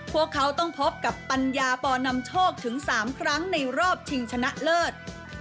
พวกเขาต้องพบกับปัญญาปอนำโชคถึง๓ครั้งในรอบชิงชนะเลิศ